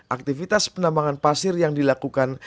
aktivitas penambangan pasir yang dilakukan